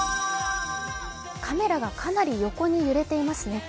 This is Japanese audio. カメラが、かなり横に揺れていますね。